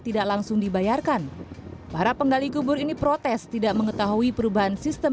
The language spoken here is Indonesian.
tidak langsung dibayarkan para penggali kubur ini protes tidak mengetahui perubahan sistem